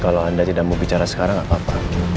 kalau anda tidak mau bicara sekarang nggak apa apa